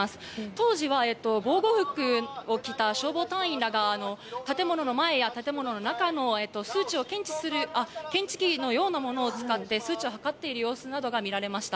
当時は防護服を着た消防隊員らが建物の前や建物の中の数値を検知する検知器のようなものを使って数値を測っている様子などが見られました。